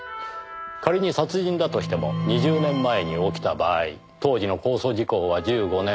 仮に殺人だとしても２０年前に起きた場合当時の公訴時効は１５年。